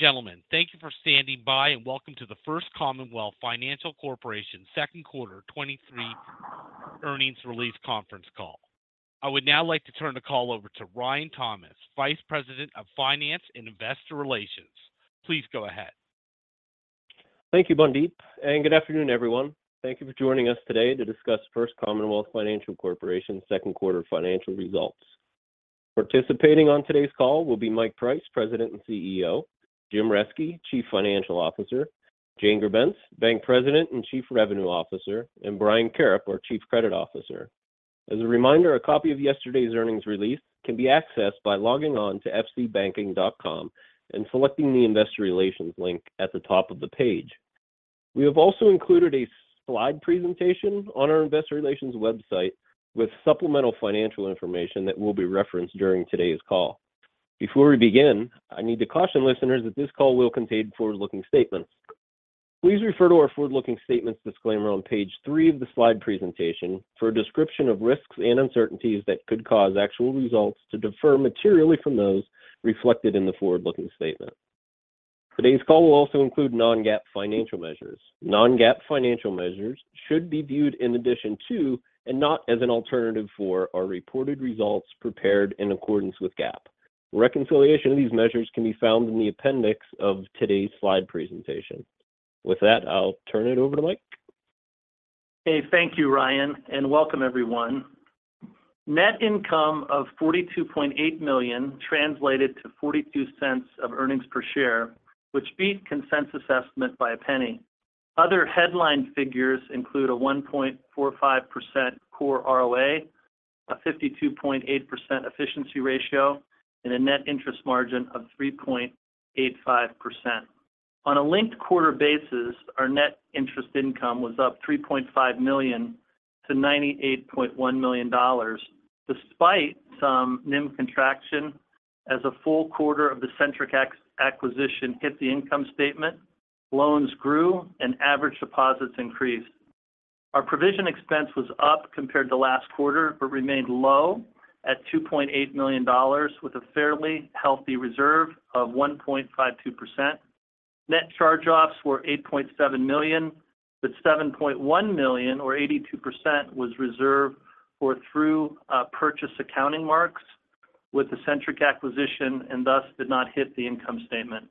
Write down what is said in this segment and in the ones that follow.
Ladies and gentlemen, thank you for standing by, and welcome to the First Commonwealth Financial Corporation Second Quarter 23 Earnings Release Conference Call. I would now like to turn the call over to Ryan Thomas, Vice President of Finance and Investor Relations. Please go ahead. Thank you, Mandeep, and good afternoon, everyone. Thank you for joining us today to discuss First Commonwealth Financial Corporation's second quarter financial results. Participating on today's call will be Mike Price, President and CEO; James Reske, Chief Financial Officer; Jane Grebenc, Bank President and Chief Revenue Officer; and Brian Karrip, our Chief Credit Officer. As a reminder, a copy of yesterday's earnings release can be accessed by logging on to fcbanking.com and selecting the Investor Relations link at the top of the page. We have also included a slide presentation on our investor relations website with supplemental financial information that will be referenced during today's call. Before we begin, I need to caution listeners that this call will contain forward-looking statements. Please refer to our forward-looking statements disclaimer on page 3 of the slide presentation for a description of risks and uncertainties that could cause actual results to defer materially from those reflected in the forward-looking statement. Today's call will also include non-GAAP financial measures. Non-GAAP financial measures should be viewed in addition to, and not as an alternative for, our reported results prepared in accordance with GAAP. Reconciliation of these measures can be found in the appendix of today's slide presentation. With that, I'll turn it over to Mike. Hey. Thank you, Ryan, welcome everyone. Net income of $42.8 million translated to $0.42 of earnings per share, which beat consensus estimate by a penny. Other headline figures include a 1.45% Core ROA, a 52.8% efficiency ratio, and a net interest margin of 3.85%. On a linked quarter basis, our net interest income was up $3.5 million to $98.1 million, despite some NIM contraction as a full quarter of the Centric Acquisition hit the income statement, loans grew and average deposits increased. Our provision expense was up compared to last quarter, but remained low at $2.8 million, with a fairly healthy reserve of 1.52%. Net charge-offs were $8.7 million, but $7.1 million, or 82%, was reserved for through purchase accounting marks with the Centric Acquisition and thus did not hit the income statement.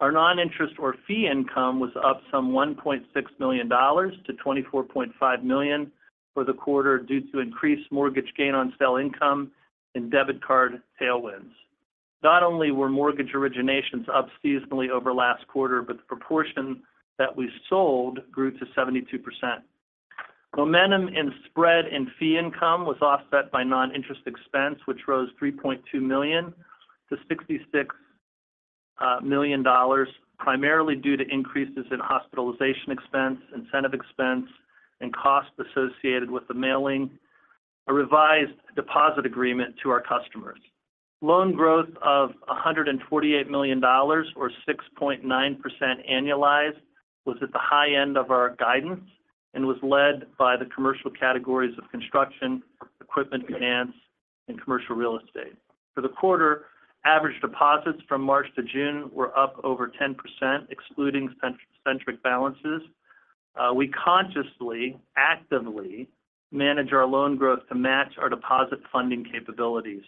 Our non-interest or fee income was up some $1.6 million to $24.5 million for the quarter due to increased mortgage gain on sale income and debit card tailwinds. Not only were mortgage originations up seasonally over last quarter, but the proportion that we sold grew to 72%. Momentum in spread and fee income was offset by non-interest expense, which rose $3.2 million to $66 million, primarily due to increases in hospitalization expense, incentive expense, and costs associated with the mailing a revised deposit agreement to our customers. Loan growth of $148 million or 6.9% annualized was at the high end of our guidance and was led by the commercial categories of construction, equipment finance, and commercial real estate. For the quarter, average deposits from March to June were up over 10%, excluding Centric balances. We consciously, actively manage our loan growth to match our deposit funding capabilities.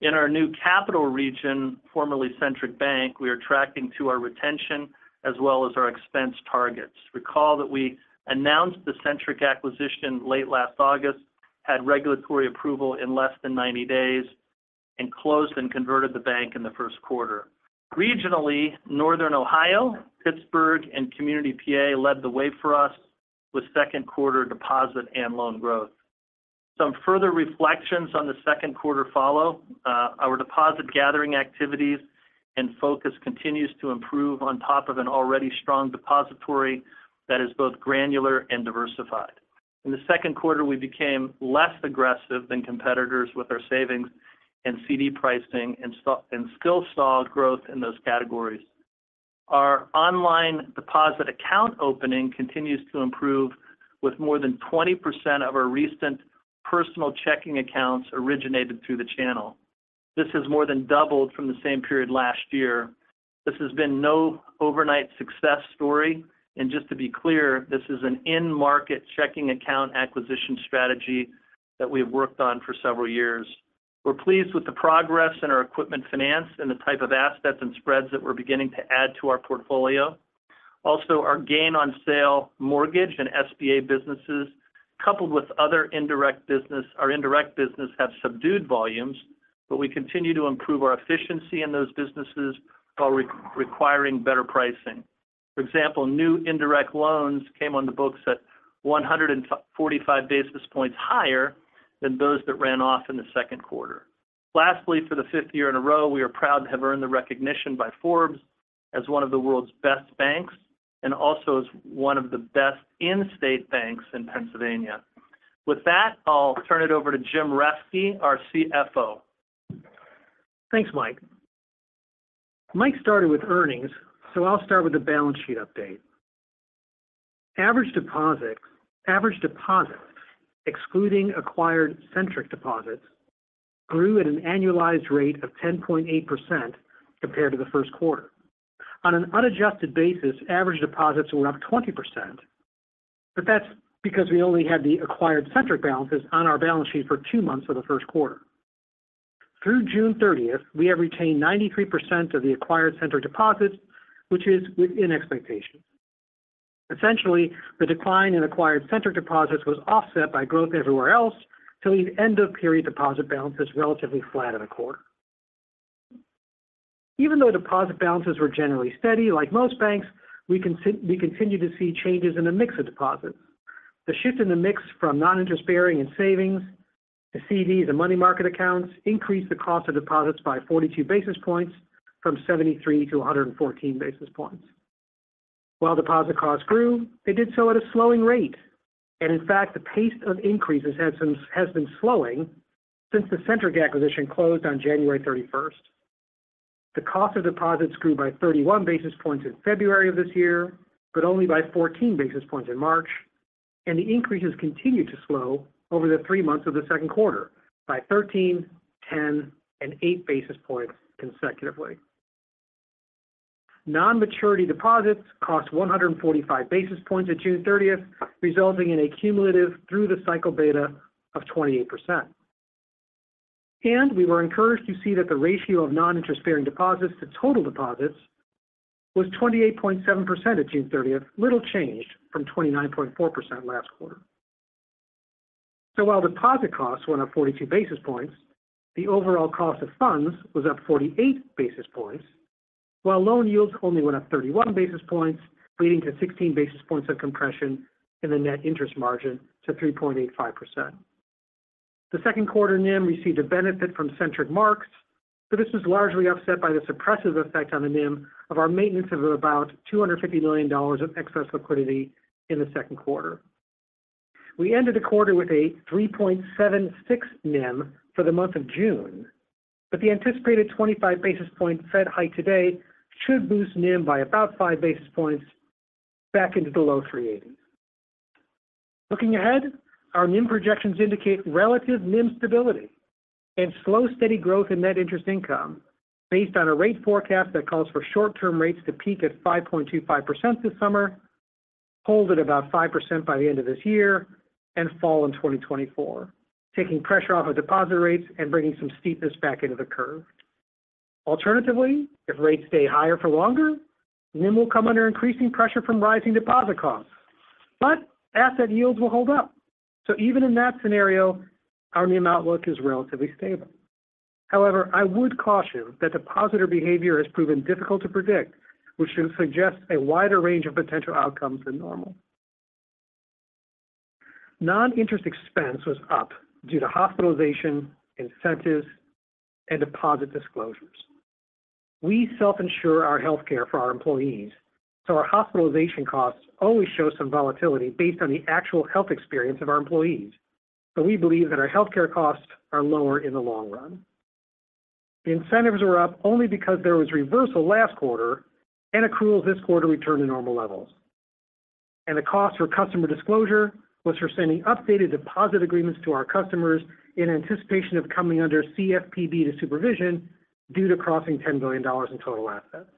In our new capital region, formerly Centric Bank, we are tracking to our retention as well as our expense targets. Recall that we announced the Centric Acquisition late last August, had regulatory approval in less than 90 days, and closed and converted the bank in the first quarter. Regionally, Northern Ohio, Pittsburgh, and Community PA led the way for us with second quarter deposit and loan growth. Some further reflections on the second quarter follow. Our deposit gathering activities and focus continues to improve on top of an already strong depository that is both granular and diversified. In the second quarter, we became less aggressive than competitors with our savings and CD pricing and still stalled growth in those categories. Our online deposit account opening continues to improve, with more than 20% of our recent personal checking accounts originated through the channel. This has more than doubled from the same period last year. This has been no overnight success story, and just to be clear, this is an in-market checking account acquisition strategy that we've worked on for several years. We're pleased with the progress in our equipment finance and the type of assets and spreads that we're beginning to add to our portfolio. Our gain on sale mortgage and SBA businesses, coupled with our indirect business have subdued volumes, but we continue to improve our efficiency in those businesses while requiring better pricing. For example, new indirect loans came on the books at 145 basis points higher than those that ran off in the second quarter. For the fifth year in a row, we are proud to have earned the recognition by Forbes as one of the world's best banks and also as one of the best in-state banks in Pennsylvania. With that, I'll turn it over to Jim Reske, our CFO. Thanks, Mike. Mike started with earnings. I'll start with the balance sheet update. Average deposits, excluding acquired Centric deposits, grew at an annualized rate of 10.8% compared to the first quarter. On an unadjusted basis, average deposits were up 20%, That's because we only had the acquired Centric balances on our balance sheet for two months of the first quarter. Through June 30th, we have retained 93% of the acquired Centric deposits, which is within expectations. Essentially, the decline in acquired Centric deposits was offset by growth everywhere else, till the end of period deposit balance is relatively flat in the quarter. Even though deposit balances were generally steady, like most banks, we continue to see changes in the mix of deposits. The shift in the mix from non-interest bearing and savings to CDs and money market accounts increased the cost of deposits by 42 basis points from 73 to 114 basis points. While deposit costs grew, they did so at a slowing rate. In fact, the pace of increases has been slowing since the Centric Acquisition closed on January 31st. The cost of deposits grew by 31 basis points in February of this year, but only by 14 basis points in March, and the increases continued to slow over the 3 months of the second quarter by 13, 10, and 8 basis points consecutively. Non-maturity deposits cost 145 basis points at June 30th, resulting in a cumulative through-the-cycle beta of 28%. We were encouraged to see that the ratio of non-interest bearing deposits to total deposits was 28.7% at June 30th, little change from 29.4% last quarter. While deposit costs went up 42 basis points, the overall cost of funds was up 48 basis points, while loan yields only went up 31 basis points, leading to 16 basis points of compression in the net interest margin to 3.85%. The second quarter NIM received a benefit from Centric marks, but this was largely offset by the suppressive effect on the NIM of our maintenance of about $250 million of excess liquidity in the second quarter. We ended the quarter with a 3.76 NIM for the month of June. The anticipated 25 basis point Fed hike today should boost NIM by about 5 basis points back into the low 3.80s. Looking ahead, our NIM projections indicate relative NIM stability and slow, steady growth in net interest income based on a rate forecast that calls for short-term rates to peak at 5.25% this summer, hold at about 5% by the end of this year, and fall in 2024, taking pressure off of deposit rates and bringing some steepness back into the curve. Alternatively, if rates stay higher for longer, NIM will come under increasing pressure from rising deposit costs, but asset yields will hold up. Even in that scenario, our NIM outlook is relatively stable. I would caution that depositor behavior has proven difficult to predict, which should suggest a wider range of potential outcomes than normal. Non-interest expense was up due to hospitalization, incentives, and deposit disclosures. We self-insure our health care for our employees, so our hospitalization costs always show some volatility based on the actual health experience of our employees. We believe that our health care costs are lower in the long run. The incentives are up only because there was reversal last quarter and accruals this quarter returned to normal levels. The cost for customer disclosure was for sending updated deposit agreements to our customers in anticipation of coming under CFPB to supervision due to crossing $10 billion in total assets.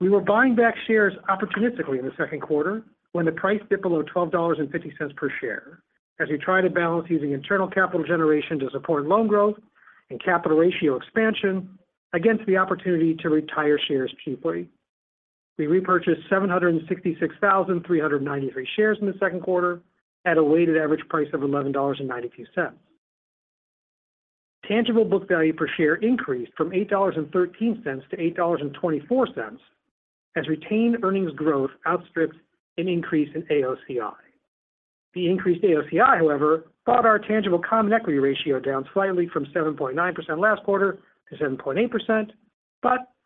We were buying back shares opportunistically in the second quarter when the price dipped below $12.50 per share, as we try to balance using internal capital generation to support loan growth and capital ratio expansion against the opportunity to retire shares cheaply. We repurchased 766,393 shares in the second quarter at a weighted average price of $11.92. Tangible book value per share increased from $8.13 to $8.24, as retained earnings growth outstripped an increase in AOCI. The increased AOCI, however, brought our tangible common equity ratio down slightly from 7.9% last quarter to 7.8%.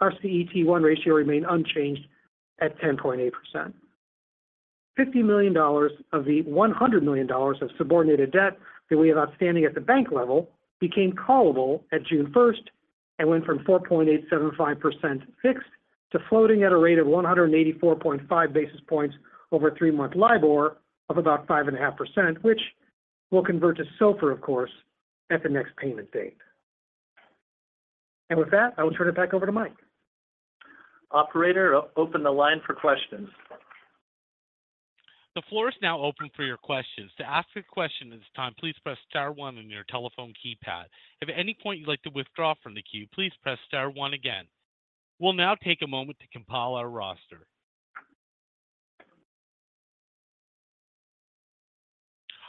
Our CET1 ratio remained unchanged at 10.8%. $50 million of the $100 million of subordinated debt that we have outstanding at the bank level became callable at June 1st and went from 4.875% fixed to floating at a rate of 184.5 basis points over a 3-month LIBOR of about 5.5%, which will convert to SOFR, of course, at the next payment date. With that, I will turn it back over to Mike. Operator, open the line for questions. The floor is now open for your questions. To ask a question at this time, please press star one on your telephone keypad. If at any point you'd like to withdraw from the queue, please press star one again. We'll now take a moment to compile our roster.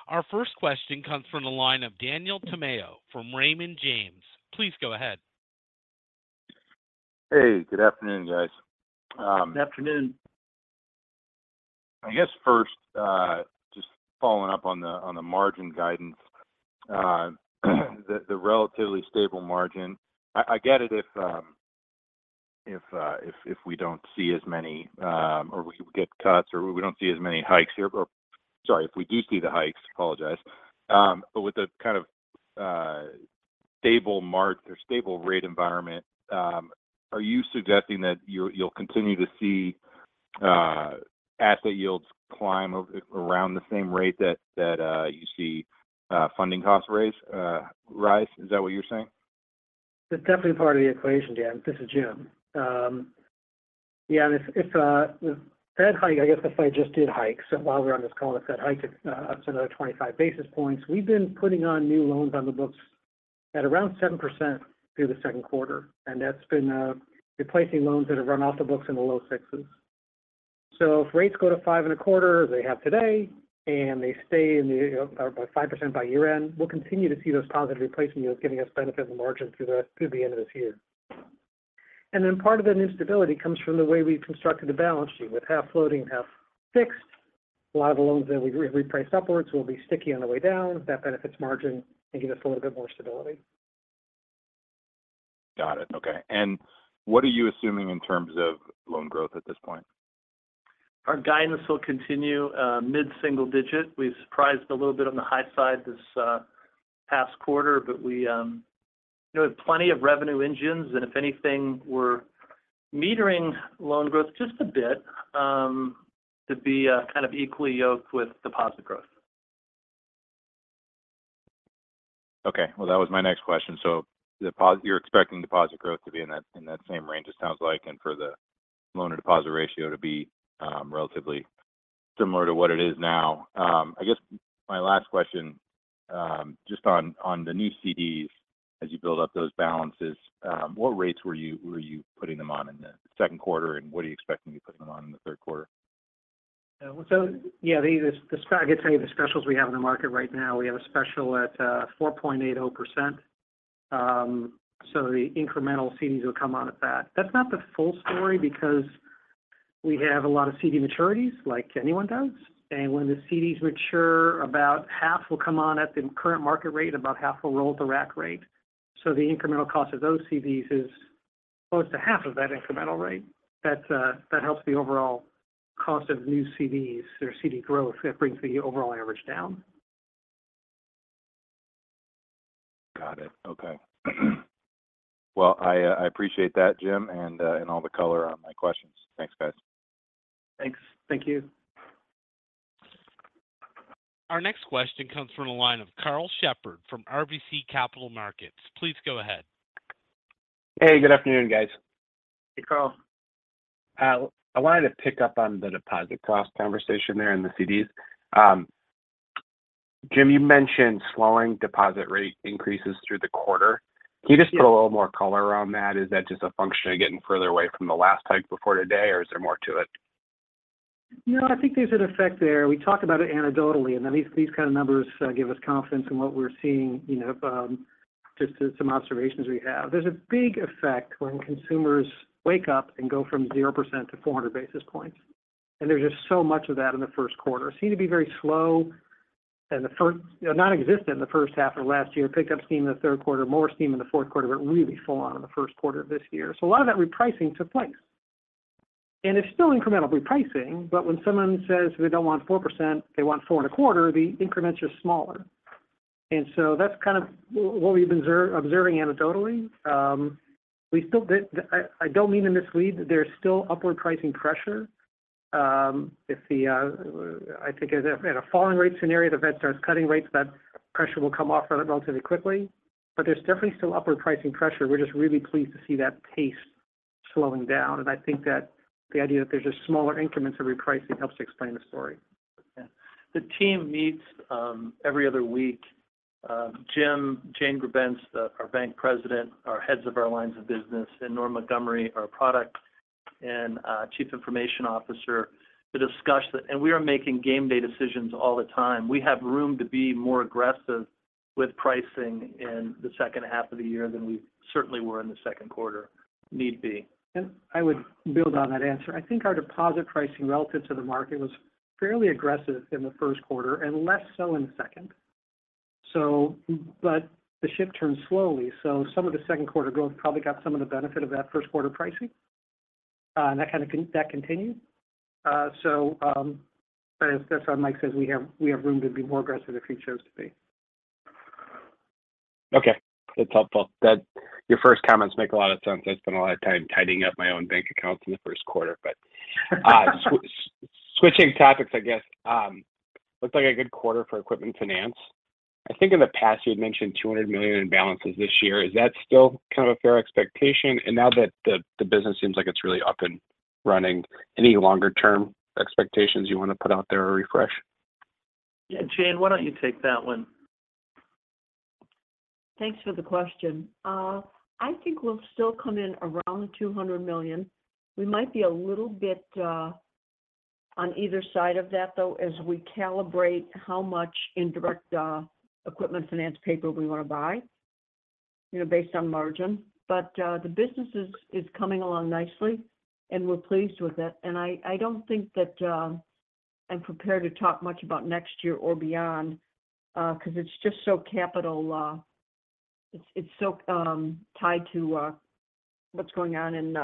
Our first question comes from the line of Daniel Tamayo from Raymond James. Please go ahead. Hey, good afternoon, guys. Good afternoon. I guess first, just following up on the margin guidance, the relatively stable margin. I get it if we don't see as many, or we get cuts, or we don't see as many hikes here. Sorry, if we do see the hikes, apologize. With the kind of stable market or stable rate environment, are you suggesting that you'll continue to see asset yields climb around the same rate that you see funding cost raise, rise? Is that what you're saying? It's definitely part of the equation, Dan. This is Jim. Yeah, if the Fed hike, I guess the Fed just did hike. While we're on this call, the Fed hiked up to another 25 basis points. We've been putting on new loans on the books at around 7% through the second quarter, that's been replacing loans that have run off the books in the low 6s. If rates go to 5.25%, they have today, and they stay in about 5% by year-end, we'll continue to see those positive replacement yields giving us beneficial margins through the end of this year. Part of that new stability comes from the way we've constructed the balance sheet, with half floating, half fixed. A lot of the loans that we repriced upwards will be sticky on the way down. That benefits margin and give us a little bit more stability. Got it. Okay. What are you assuming in terms of loan growth at this point? Our guidance will continue, mid-single digit. We surprised a little bit on the high side this past quarter, but we, you know, have plenty of revenue engines, and if anything, we're metering loan growth just a bit, to be kind of equally yoked with deposit growth. Okay. Well, that was my next question. You're expecting deposit growth to be in that, in that same range, it sounds like, and for the loan-to-deposit ratio to be, relatively similar to what it is now. I guess my last question, just on the new CDs, as you build up those balances, what rates were you putting them on in the second quarter, and what are you expecting to be putting them on in the third quarter? Yeah, I can tell you the specials we have in the market right now. We have a special at 4.80%. The incremental CDs will come on at that. That's not the full story because we have a lot of CD maturities, like anyone does, and when the CDs mature, about half will come on at the current market rate, about half will roll at the rack rate. The incremental cost of those CDs is close to half of that incremental rate. That helps the overall cost of new CDs or CD growth. That brings the overall average down. Got it. Okay. Well, I appreciate that, Jim, and all the color on my questions. Thanks, guys. Thanks. Thank you. Our next question comes from the line of Karl Shepard from RBC Capital Markets. Please go ahead. Hey, good afternoon, guys. Hey, Karl. I wanted to pick up on the deposit cost conversation there in the CDs. Jim, you mentioned slowing deposit rate increases through the quarter. Can you just put a little more color around that? Is that just a function of getting further away from the last hike before today, or is there more to it? I think there's an effect there. We talked about it anecdotally, these kind of numbers give us confidence in what we're seeing, you know, just as some observations we have. There's a big effect when consumers wake up and go from 0% to 400 basis points, there's just so much of that in the first quarter. Seemed to be very slow in the first. You know, nonexistent in the first half of last year, picked up steam in the third quarter, more steam in the fourth quarter, really full on in the first quarter of this year. A lot of that repricing took place. It's still incremental repricing, but when someone says they don't want 4%, they want 4.25%, the increments are smaller. That's kind of what we've observing anecdotally. We still did. I don't mean to mislead. There's still upward pricing pressure. If the, I think at a, at a falling rate scenario, the Fed starts cutting rates, that pressure will come off relatively quickly. There's definitely still upward pricing pressure. We're just really pleased to see that pace slowing down, and I think that the idea that there's just smaller increments of repricing helps to explain the story. Yeah. The team meets every other week. Jim, Jane Grebenc, our Bank President, our heads of our lines of business, and Norm Montgomery, our product and Chief Information Officer, to discuss. We are making game day decisions all the time. We have room to be more aggressive with pricing in the second half of the year than we certainly were in the second quarter, need be. I would build on that answer. I think our deposit pricing relative to the market was fairly aggressive in the first quarter and less so in the second. The ship turns slowly, some of the second quarter growth probably got some of the benefit of that first quarter pricing, and that continued. As Mike says, we have room to be more aggressive if we chose to be. Okay. That's helpful. Your first comments make a lot of sense. I spent a lot of time tidying up my own bank accounts in the first quarter, switching topics, I guess. Looked like a good quarter for equipment finance. I think in the past, you had mentioned $200 million in balances this year. Is that still kind of a fair expectation? Now that the business seems like it's really up and running, any longer term expectations you want to put out there or refresh? Yeah, Jane, why don't you take that one? Thanks for the question. I think we'll still come in around the $200 million. We might be a little bit on either side of that, though, as we calibrate how much indirect equipment finance paper we want to buy, you know, based on margin. The business is coming along nicely, and we're pleased with it. I don't think that I'm prepared to talk much about next year or beyond because it's just so capital... it's so tied to what's going on in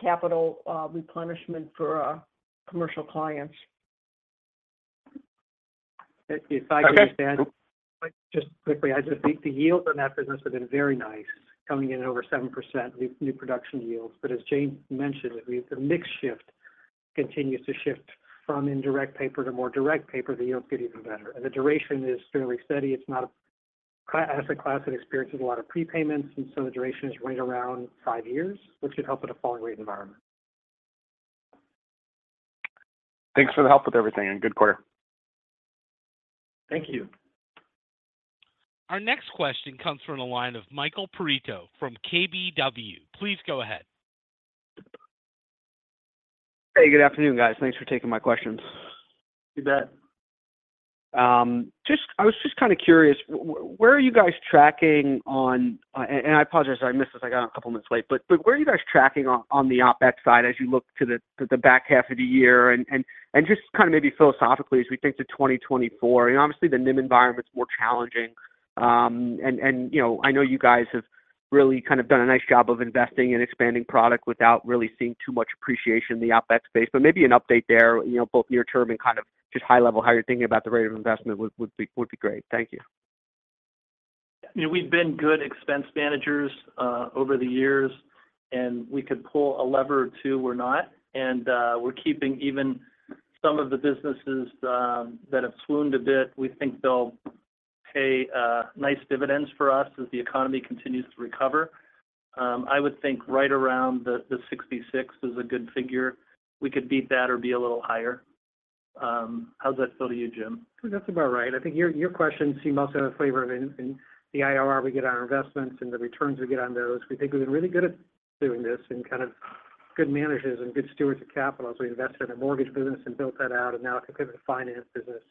capital replenishment for our commercial clients. If I can just add, just quickly, I just think the yields on that business have been very nice, coming in at over 7% new production yields. As James mentioned, if the mix shift continues to shift from indirect paper to more direct paper, the yields get even better. The duration is fairly steady. It's not a asset class that experiences a lot of prepayments, and so the duration is right around 5 years, which should help in a falling rate environment. Thanks for the help with everything, and good quarter. Thank you. Our next question comes from the line of Michael Perito from KBW. Please go ahead. Hey, good afternoon, guys. Thanks for taking my questions. You bet. I was just kind of curious, where are you guys tracking on, and I apologize if I missed this, I got on a couple minutes late. Where are you guys tracking on the OpEx side as you look to the back half of the year? Just kind of maybe philosophically as we think to 2024. You know, obviously, the NIM environment's more challenging. You know, I know you guys have really kind of done a nice job of investing and expanding product without really seeing too much appreciation in the OpEx space. Maybe an update there, you know, both near term and kind of just high level, how you're thinking about the rate of investment would be great. Thank you. You know, we've been good expense managers, over the years, we could pull a lever or two. We're not. We're keeping even some of the businesses that have swooned a bit. We think they'll pay nice dividends for us as the economy continues to recover. I would think right around the 66 is a good figure. We could beat that or be a little higher. How does that feel to you, Jim? That's about right. I think your question seemed also in the flavor of in the IRR we get on our investments and the returns we get on those. We think we've been really good at doing this and kind of good managers and good stewards of capital as we invested in a mortgage business and built that out, and now equipment finance business.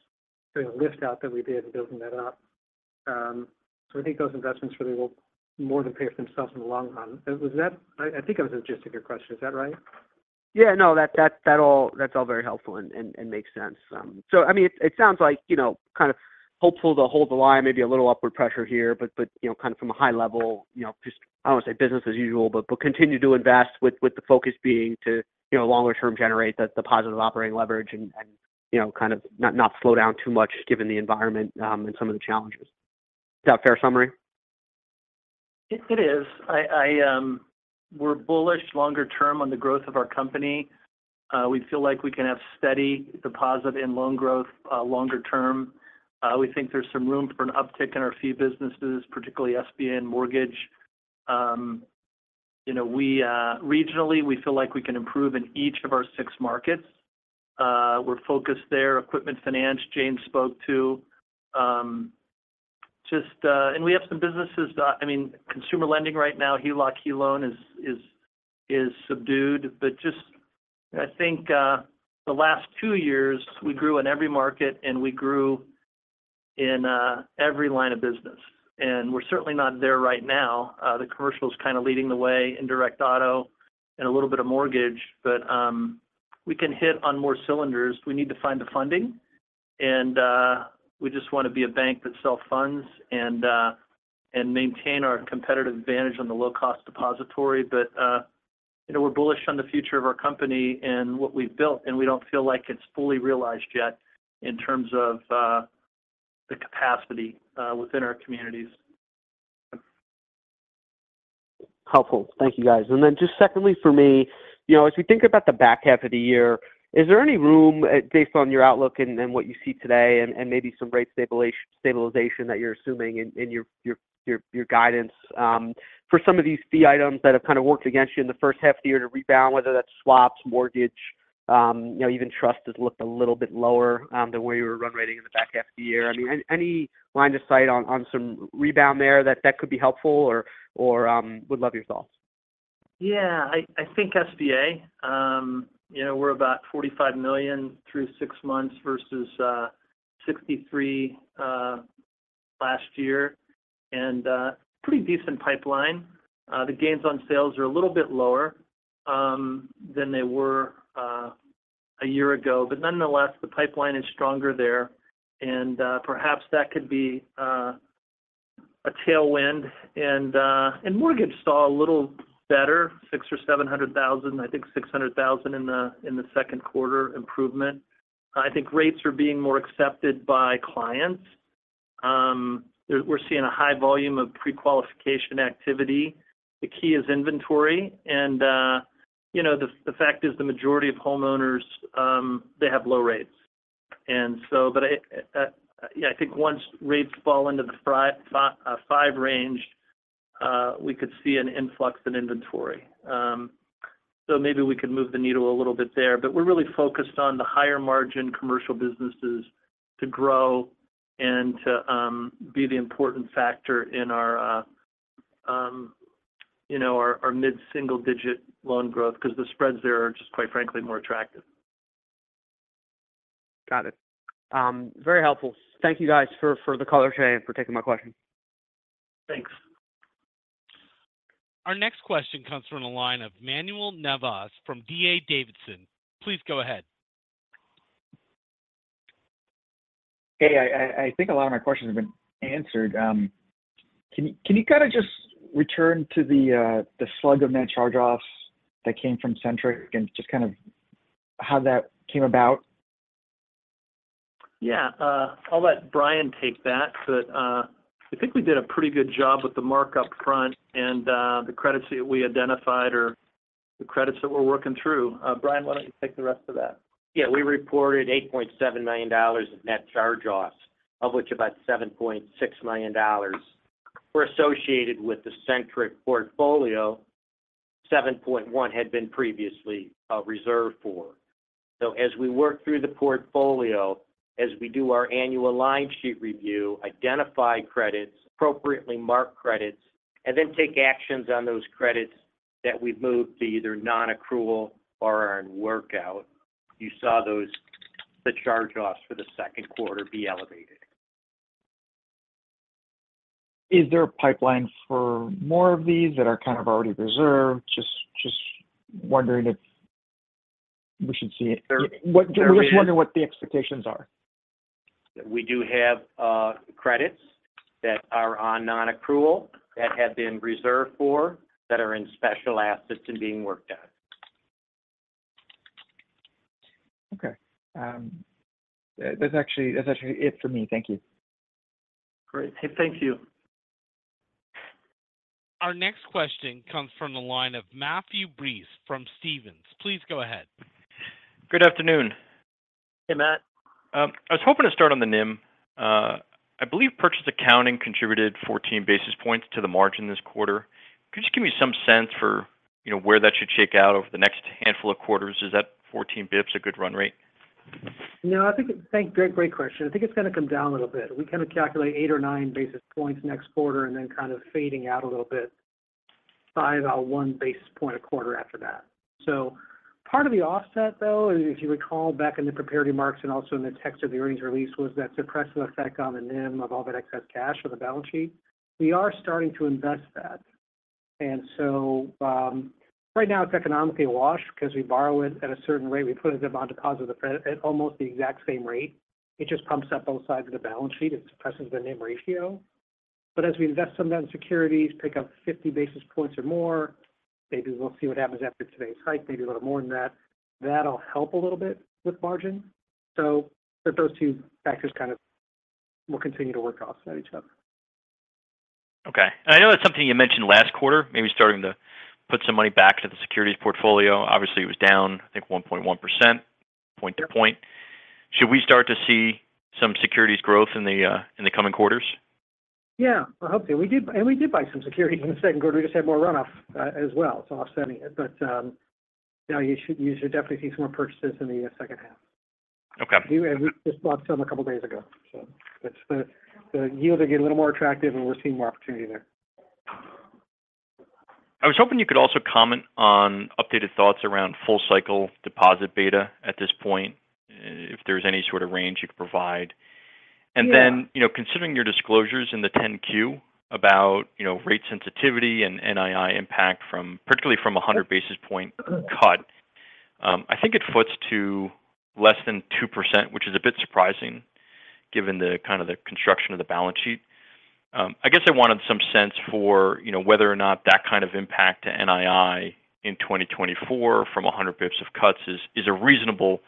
A lift out that we did building that up. So I think those investments really will more than pay for themselves in the long run. I think that was the gist of your question. Is that right? Yeah. No, that's all very helpful and makes sense. I mean, it sounds like, you know, kind of hopeful to hold the line, maybe a little upward pressure here. You know, kind of from a high level, you know, just I don't want to say business as usual, but continue to invest with the focus being to, you know, longer term generate the positive operating leverage and, you know, kind of not slow down too much given the environment and some of the challenges. Is that a fair summary? It is. I, we're bullish longer term on the growth of our company. We feel like we can have steady deposit and loan growth, longer term. We think there's some room for an uptick in our fee businesses, particularly SBA and mortgage. You know, we, regionally, we feel like we can improve in each of our six markets. We're focused there. Equipment finance, James spoke to. Just, and we have some businesses, I mean, consumer lending right now, HELOC, HELOAN is subdued. Just I think, the last two years, we grew in every market, and we grew in every line of business. We're certainly not there right now. The commercial is kind of leading the way, indirect auto and a little bit of mortgage, we can hit on more cylinders. We need to find the funding, we just want to be a bank that self-funds and maintain our competitive advantage on the low-cost depository. You know, we're bullish on the future of our company and what we've built, and we don't feel like it's fully realized yet in terms of the capacity within our communities. Helpful. Thank you, guys. Just secondly, for me, you know, as we think about the back half of the year, is there any room, based on your outlook and what you see today and maybe some rate stabilization that you're assuming in your guidance, for some of these fee items that have kind of worked against you in the first half of the year to rebound, whether that's swaps, mortgage, you know, even trust has looked a little bit lower than where you were run rating in the back half of the year? Any line of sight on some rebound there that could be helpful or would love your thoughts. Yeah. I think SBA, you know, we're about $45 million through six months versus $63 million last year, and pretty decent pipeline. The gains on sales are a little bit lower than they were a year ago. Nonetheless, the pipeline is stronger there, and perhaps that could be a tailwind. Mortgage saw a little better, $600,000 or $700,000, I think $600,000 in the, in the second quarter improvement. I think rates are being more accepted by clients. We're seeing a high volume of prequalification activity. The key is inventory, and, you know, the fact is the majority of homeowners, they have low rates. Yeah, I think once rates fall into the five range, we could see an influx in inventory. Maybe we can move the needle a little bit there. We're really focused on the higher-margin commercial businesses to grow and to be the important factor in our, you know, our mid-single-digit loan growth because the spreads there are just, quite frankly, more attractive. Got it. Very helpful. Thank you guys for the color today and for taking my question. Thanks. Our next question comes from the line of Manuel Navas from D.A. Davidson. Please go ahead. Hey, I think a lot of my questions have been answered. Can you kind of just return to the slug of net charge-offs that came from Centric and just kind of how that came about? Yeah. I'll let Brian take that. I think we did a pretty good job with the mark up front and the credits that we identified are the credits that we're working through. Brian, why don't you take the rest of that? We reported $8.7 million of net charge-offs, of which about $7.6 million were associated with the Centric portfolio. $7.1 million had been previously reserved for. As we work through the portfolio, as we do our annual line sheet review, identify credits, appropriately mark credits, and then take actions on those credits that we've moved to either nonaccrual or are in workout. You saw those, the charge-offs for the second quarter be elevated. Is there a pipeline for more of these that are kind of already reserved? Just wondering if we should see it. There- We're just wondering what the expectations are? We do have, credits that are on nonaccrual, that have been reserved for, that are in special assets and being worked on. Okay. That's actually it for me. Thank you. Great. Thank you. Our next question comes from the line of Matthew Breese from Stephens. Please go ahead. Good afternoon. Hey, Matt. I was hoping to start on the NIM. I believe purchase accounting contributed 14 basis points to the margin this quarter. Could you just give me some sense for, you know, where that should shake out over the next handful of quarters? Is that 14 basis points a good run rate? No, I think it. Great, great question. I think it's going to come down a little bit. We kind of calculate 8 or 9 basis points next quarter, and then kind of fading out a little bit by about 1 basis point a quarter after that. Part of the offset, though, if you recall back in the prepared remarks and also in the text of the earnings release, was that suppressive effect on the NIM of all that excess cash on the balance sheet. We are starting to invest that. Right now it's economically washed because we borrow it at a certain rate. We put a deposit at almost the exact same rate. It just pumps up both sides of the balance sheet. It suppresses the NIM ratio. As we invest some of that in securities, pick up 50 basis points or more, maybe we'll see what happens after today's hike, maybe a little more than that. That'll help a little bit with margin. Those two factors kind of will continue to work off at each other. Okay. I know that's something you mentioned last quarter, maybe starting to put some money back to the securities portfolio. Obviously, it was down, I think, 1.1%, point to point. Should we start to see some securities growth in the coming quarters? Yeah, well, hopefully. We did buy some securities in the second quarter. We just had more runoff as well, so offsetting it. Yeah, you should definitely see some more purchases in the second half. Okay. We just bought some a couple days ago, so it's the yield to get a little more attractive, and we're seeing more opportunity there. I was hoping you could also comment on updated thoughts around full cycle deposit beta at this point, if there's any sort of range you could provide? Yeah. You know, considering your disclosures in the 10-Q about, you know, rate sensitivity and NII impact particularly from a 100 basis point cut, I think it foots to less than 2%, which is a bit surprising given the kind of the construction of the balance sheet. I guess I wanted some sense for, you know, whether or not that kind of impact to NII in 2024 from 100 basis points of cuts is a reasonable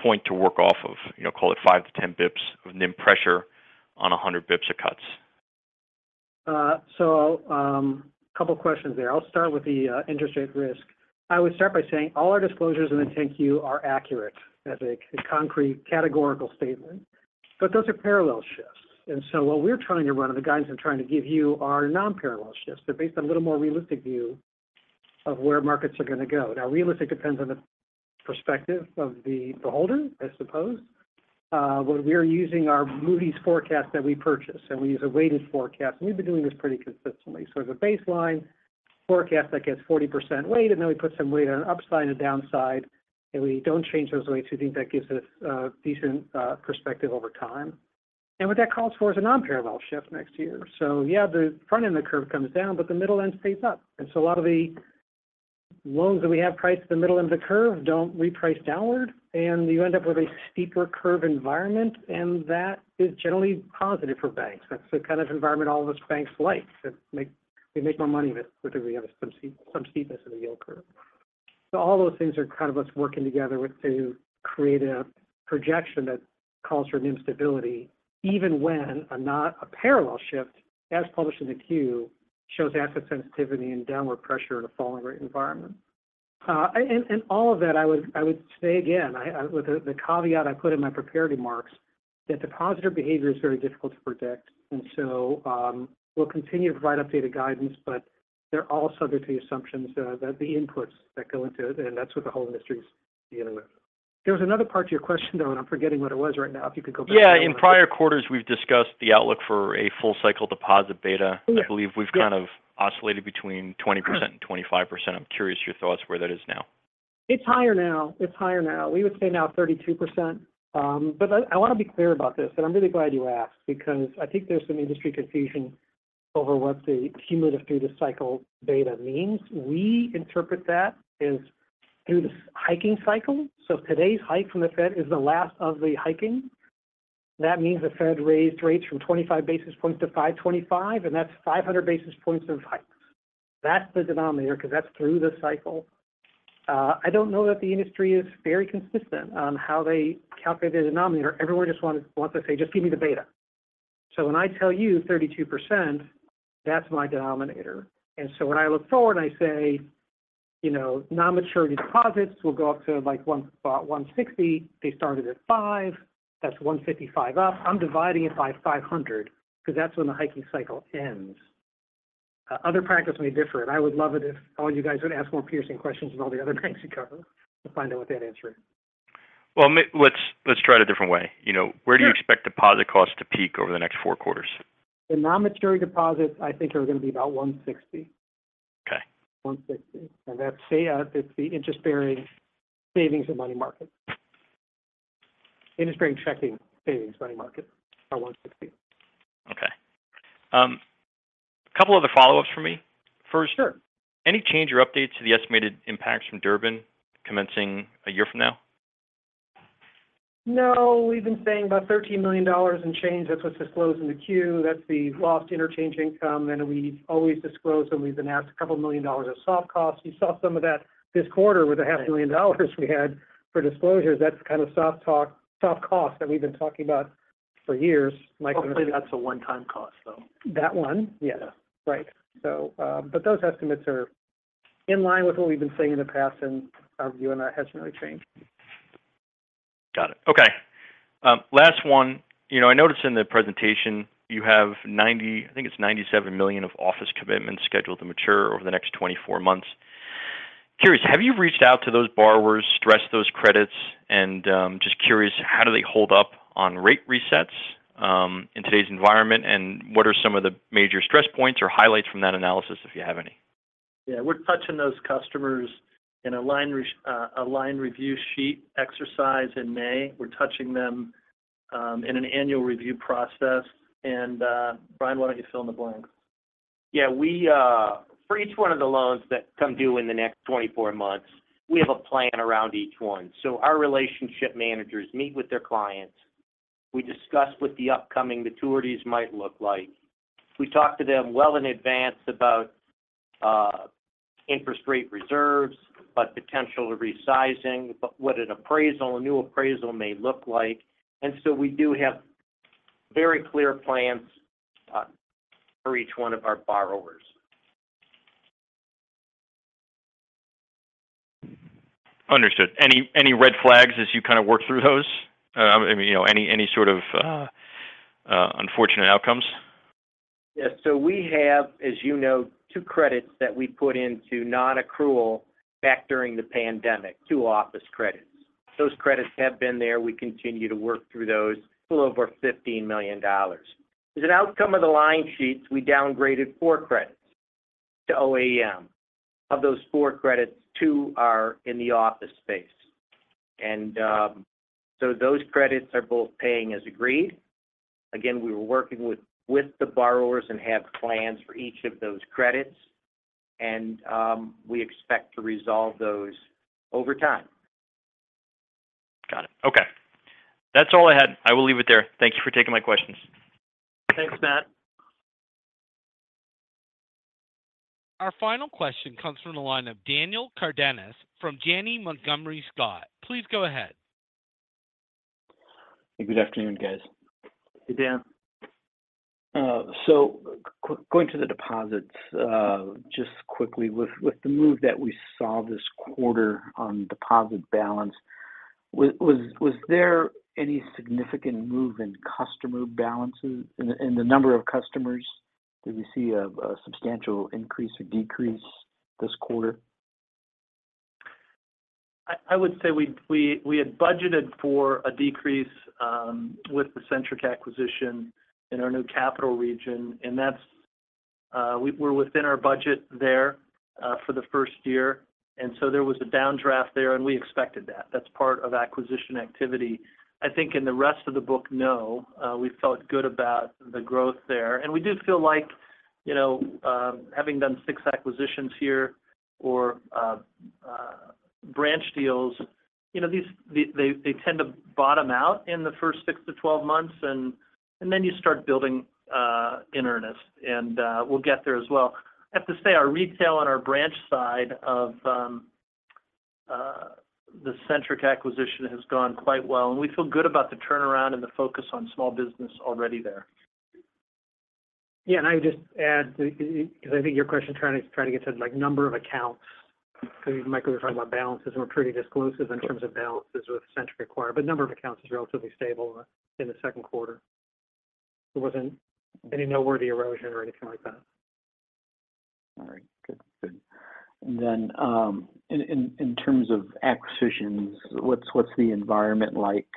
point to work off of, you know, call it 5 to 10 basis points of NIM pressure on 100 basis points of cuts. A couple of questions there. I'll start with the interest rate risk. I would start by saying all our disclosures in the 10-Q are accurate as a concrete, categorical statement, but those are parallel shifts. What we're trying to run, and the guidance I'm trying to give you are non-parallel shifts. They're based on a little more realistic view of where markets are going to go. Now, realistic depends on the perspective of the beholder, I suppose. What we're using are Moody's forecast that we purchase, and we use a weighted forecast, and we've been doing this pretty consistently. As a baseline forecast, that gets 40% weight, and then we put some weight on an upside and a downside, and we don't change those weights. We think that gives us a decent perspective over time. What that calls for is a non-parallel shift next year. Yeah, the front end of the curve comes down, but the middle end stays up. A lot of the loans that we have priced in the middle end of the curve don't reprice downward, and you end up with a steeper curve environment, and that is generally positive for banks. That's the kind of environment all of us banks like. We make more money with it because we have some steepness in the yield curve. All those things are kind of us working together with to create a projection that calls for NIM stability, even when a parallel shift, as published in the Q, shows asset sensitivity and downward pressure in a falling rate environment. All of that, I would, I would say again, with the caveat I put in my prepared remarks, that depositor behavior is very difficult to predict. We'll continue to provide updated guidance, but they're all subject to the assumptions, that the inputs that go into it, and that's what the whole industry is dealing with. There was another part to your question, though, and I'm forgetting what it was right now. If you could go back to it. Yeah. In prior quarters, we've discussed the outlook for a full cycle deposit beta. Yeah. I believe we've kind of oscillated between 20% and 25%. I'm curious your thoughts where that is now. It's higher now. We would say now 32%. I want to be clear about this, and I'm really glad you asked, because I think there's some industry confusion over what the cumulative through-the-cycle beta means. We interpret that as through the hiking cycle. Today's hike from the Fed is the last of the hiking. That means the Fed raised rates from 25 basis points to 525, and that's 500 basis points of hikes. That's the denominator, 'cause that's through the cycle. I don't know that the industry is very consistent on how they calculate their denominator. Everyone just wants to say, "Just give me the beta." When I tell you 32%, that's my denominator. When I look forward and I say, you know, non-maturity deposits will go up to, like, about 160, they started at 5, that's 155 up. I'm dividing it by 500, 'cause that's when the hiking cycle ends. Other practice may differ, and I would love it if all you guys would ask more piercing questions than all the other banks you cover to find out what they'd answer. Well, let's try it a different way. You know. Sure. Where do you expect deposit costs to peak over the next four quarters? The non-maturity deposits, I think, are going to be about $160. Okay. 160. That's say, it's the interest-bearing savings and money market. Interest-bearing checking, savings, money market are 160. Okay. couple other follow-ups for me. Sure. Any change or updates to the estimated impacts from Durbin commencing a year from now? No, we've been saying about $13 million and change. That's what's disclosed in the Q. That's the lost interchange income, and we always disclose when we've been asked a couple million dollars of soft costs. You saw some of that this quarter with the half million dollars we had for disclosures. That's kind of soft costs that we've been talking about for years, like. Hopefully, that's a one-time cost, though. That one? Yeah. Right. Those estimates are in line with what we've been saying in the past, and our view on that hasn't really changed. Got it. Okay. Last one. You know, I noticed in the presentation, you have $97 million of office commitments scheduled to mature over the next 24 months. Curious, have you reached out to those borrowers, stressed those credits? Just curious, how do they hold up on rate resets in today's environment? What are some of the major stress points or highlights from that analysis, if you have any? Yeah. We're touching those customers in a line review sheet exercise in May. We're touching them, in an annual review process. Brian, why don't you fill in the blanks? Yeah, we, for each one of the loans that come due in the next 24 months, we have a plan around each one. Our relationship managers meet with their clients. We discuss what the upcoming maturities might look like. We talk to them well in advance about interest rate reserves, about potential resizing, but what an appraisal, a new appraisal may look like. We do have very clear plans for each one of our borrowers. Understood. Any red flags as you kind of work through those? I mean, you know, any sort of unfortunate outcomes? We have, as you know, two credits that we put into non-accrual back during the pandemic, two office credits. Those credits have been there. We continue to work through those, a little over $15 million. As an outcome of the line sheets, we downgraded four credits to OAM. Of those four credits, two are in the office space. Those credits are both paying as agreed. Again, we were working with the borrowers and have plans for each of those credits, we expect to resolve those over time. Got it. Okay. That's all I had. I will leave it there. Thank you for taking my questions. Thanks, Matt. Our final question comes from the line of Daniel Cardenas from Janney Montgomery Scott. Please go ahead. Good afternoon, guys. Hey, Dan. Going to the deposits, just quickly, with the move that we saw this quarter on deposit balance, was there any significant move in customer balances, in the number of customers? Did we see a substantial increase or decrease this quarter? I would say we had budgeted for a decrease with the Centric Acquisition in our new capital region, and that's. We're within our budget there, for the first year, and so there was a downdraft there, and we expected that. That's part of acquisition activity. I think in the rest of the book, no, we felt good about the growth there. We did feel like, you know, having done six acquisitions here or branch deals, you know, they tend to bottom out in the first six to 12 months, and then you start building in earnest, and we'll get there as well. I have to say, our retail on our branch side of the Centric Acquisition has gone quite well, and we feel good about the turnaround and the focus on small business already there. Yeah, I would just add, because I think your question is trying to get to, like, number of accounts. Michael, you're talking about balances, we're pretty disclosive in terms of balances with Centric acquire, number of accounts is relatively stable in the second quarter. There wasn't any noteworthy erosion or anything like that. All right. Good. Good. In terms of acquisitions, what's the environment like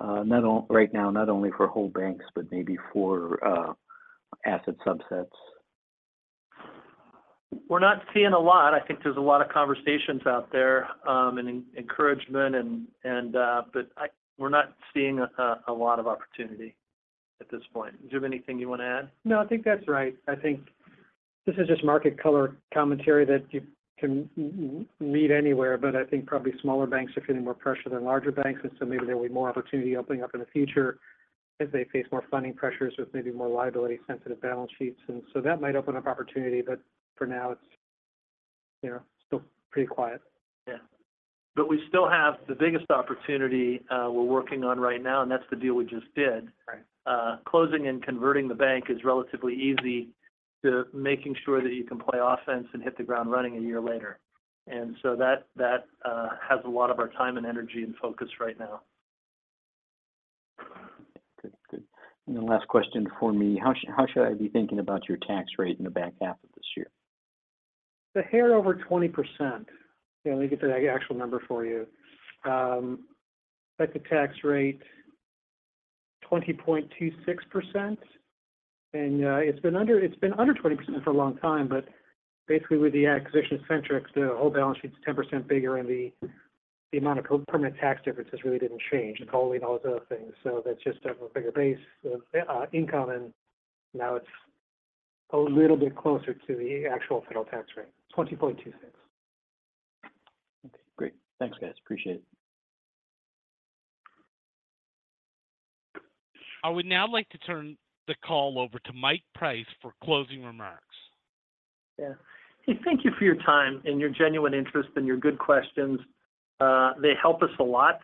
right now, not only for whole banks, but maybe for asset subsets? We're not seeing a lot. I think there's a lot of conversations out there, and encouragement and we're not seeing a lot of opportunity at this point. Do you have anything you want to add? No, I think that's right. This is just market color commentary that you can read anywhere, but I think probably smaller banks are feeling more pressure than larger banks, and so maybe there will be more opportunity opening up in the future as they face more funding pressures with maybe more liability-sensitive balance sheets. That might open up opportunity, but for now, it's, you know, still pretty quiet. Yeah. We still have the biggest opportunity, we're working on right now, and that's the deal we just did. Right. Closing and converting the bank is relatively easy to making sure that you can play offense and hit the ground running a year later. That has a lot of our time and energy and focus right now. Good. The last question for me, how should I be thinking about your tax rate in the back half of this year? A hair over 20%. Let me get the actual number for you. The tax rate, 20.26%. It's been under 20% for a long time, but basically, with the acquisition of Centric, the whole balance sheet is 10% bigger, and the amount of permanent tax differences really didn't change, the holding, all those other things. That's just a bigger base of income, and now it's a little bit closer to the actual federal tax rate, 20.26%. Okay, great. Thanks, guys. Appreciate it. I would now like to turn the call over to Mike Price for closing remarks. Yeah. Hey, thank you for your time and your genuine interest and your good questions. They help us a lot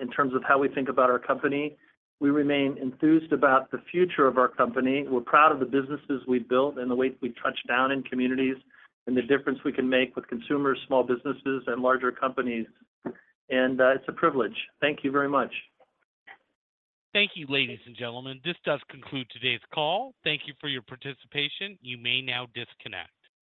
in terms of how we think about our company. We remain enthused about the future of our company. We're proud of the businesses we've built and the way we touch down in communities, and the difference we can make with consumers, small businesses, and larger companies. It's a privilege. Thank you very much. Thank you, ladies and gentlemen. This does conclude today's call. Thank you for your participation. You may now disconnect.